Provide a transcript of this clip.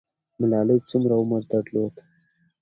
ملالۍ څومره عمر درلود؟